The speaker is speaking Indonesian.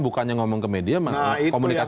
bukannya ngomong ke media nah itu yang saya